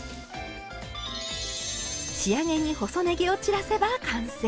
仕上げに細ねぎを散らせば完成。